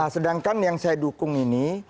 sedangkan yang saya dukung ini